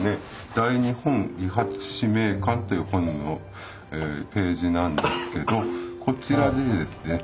「大日本理髪師名鑑」という本のページなんですけどこちらにですね